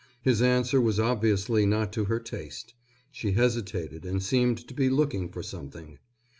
His answer was obviously not to her taste. She hesitated and seemed to be looking for something.